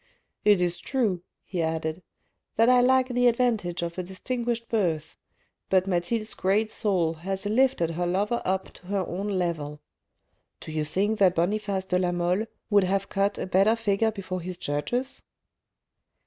..." It is true," he added, "that I lack the advantage of a distinguished birth, but Mathilde's great soul has lifted her lover up to her own level. Do you think that Boniface de la Mole would have cut a better figure before his judges